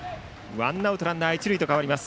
ワンアウトランナー、一塁と変わります。